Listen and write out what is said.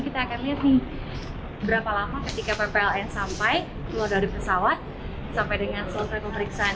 kita akan lihat nih berapa lama ketika ppln sampai keluar dari pesawat sampai dengan selesai pemeriksaan